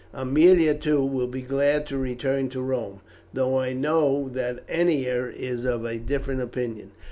Aemilia, too, will be glad to return to Rome, though I know that Ennia is of a different opinion.